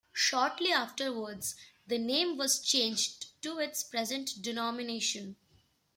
Shortly afterwards, the name was changed to its present denomination.